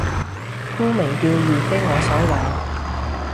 沽名釣譽非我所為